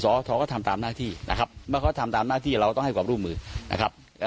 ก็ทำตามหน้าที่นะครับเมื่อเขาทำตามหน้าที่เราต้องให้ความร่วมมือนะครับ